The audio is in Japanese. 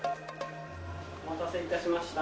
お待たせ致しました。